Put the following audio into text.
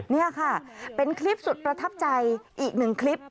นี่ค่ะเป็นคลิปสุดประทับใจอีกหนึ่งคลิป